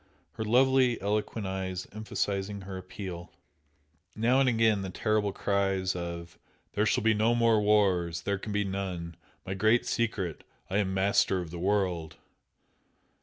her lovely, eloquent eyes emphasising her appeal. Now and again the terrible cries of "There shall be no more wars! There can be none! My Great Secret! I am Master of the World!"